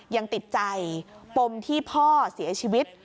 ยังติดใจปมที่พ่อเสียชีวิต